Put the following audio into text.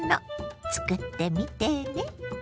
つくってみてね。